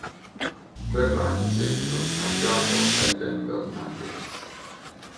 Verrà in seguito scambiato ai Denver Nuggets.